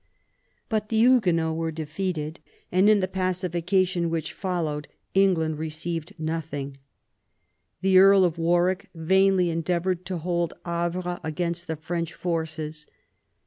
But the Huguenots were defeated, and in the paci PROBLEMS OF THE REIGN. 75 fication which followed England received nothing. The Earl of Warwick vainly endeavoured to hold Havre against the French forces.